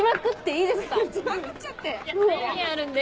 いや制限あるんで。